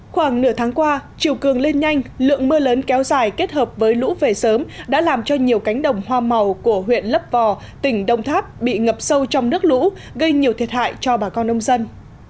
khoảng nửa tháng qua triều cường lên nhanh lượng mưa lớn kéo dài kết hợp với lũ về sớm đã làm cho nhiều cánh đồng hoa màu của huyện lấp vò tỉnh đông tháp bị ngập sâu trong nước lũ gây nhiều thiệt hại cho bà con nông dân